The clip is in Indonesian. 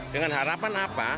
dengan harapan apa